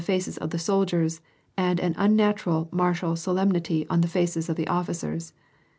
f' ^^^( the soldiers and an unnatural martial solemnity '^''1 Ls of the officers.